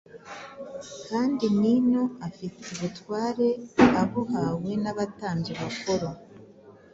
kandi n’ino afite ubutware, abuhawe n’abatambyi bakuru,